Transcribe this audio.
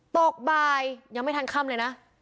ตกบ่ายยังไม่ทันค่ำเลยนะ